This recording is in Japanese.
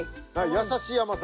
優しい甘さ。